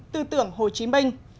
tư tưởng hồ chí minh